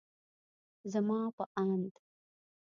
زما په اند